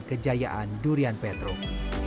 kejayaan durian petruk